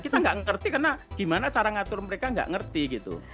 kita nggak ngerti karena gimana cara ngatur mereka nggak ngerti gitu